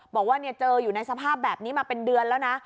บอกว่าเจออยู่ในสภาพแบบนี้มาเป็นเดือนแล้วนะ